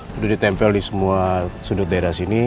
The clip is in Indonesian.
sudah ditempel di semua sudut daerah sini